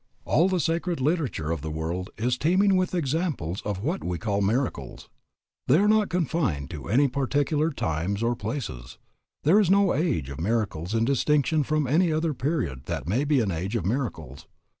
All the sacred literature of the world is teeming with examples of what we call miracles. They are not confined to any particular times or places. There is no age of miracles in distinction from any other period that may be an age of miracles.